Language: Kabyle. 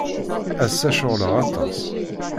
Ass-a, ceɣleɣ aṭas.